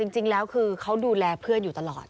จริงแล้วคือเขาดูแลเพื่อนอยู่ตลอด